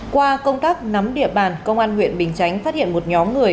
qua công tác nắm địa bàn công an huyện bình chánh phát hiện một nhóm người